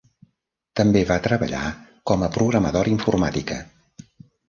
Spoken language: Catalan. També va treballar com a programadora informàtica.